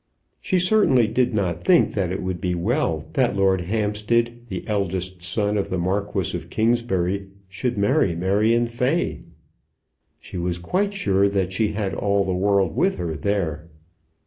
She certainly did not think that it would be well that Lord Hampstead, the eldest son of the Marquis of Kingsbury, should marry Marion Fay. She was quite sure that she had all the world with her there.